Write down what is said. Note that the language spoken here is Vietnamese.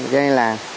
cho nên là